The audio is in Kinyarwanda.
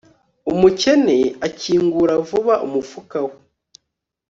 umukene akingura vuba umufuka we